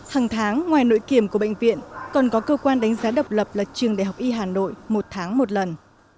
hàng tháng ngoài nội kiểm của bệnh viện còn có cơ quan đánh giá độc lập là trường đại học y hà nội một tháng một lần